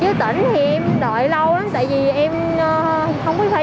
với tỉnh thì em đợi lâu lắm tại vì em không có thay